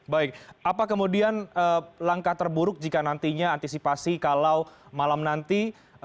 baik apa kemudian langkah terburuk jika nantinya antisipasi kalau malam nanti